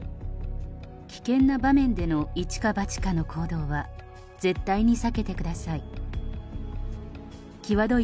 危険な場面での一か八かの行動は、絶対に避けてください。